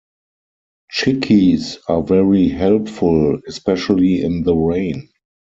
Chickees are very helpful, especially in the rain.